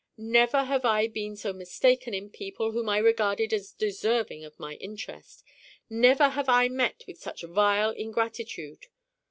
Never have I been so mistaken in people whom I regarded as deserving of my interest, never have I met with such vile ingratitude.